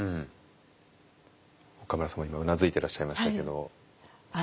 岡村さんも今うなずいてらっしゃいましたけど。